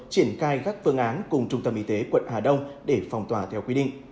triển khai các phương án cùng trung tâm y tế quận hà đông để phòng tòa theo quy định